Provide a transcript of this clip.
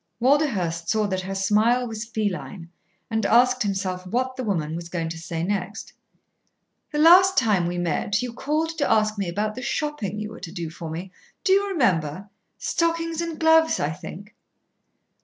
Walderhurst saw that her smile was feline and asked himself what the woman was going to say next. "The last time we met you called to ask me about the shopping you were to do for me. Do you remember? Stockings and gloves, I think."